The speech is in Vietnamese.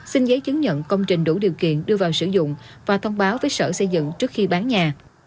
xin giấy chứng nhận công trình đủ điều kiện đưa vào sử dụng và thông báo với sở xây dựng trước khi bán nhà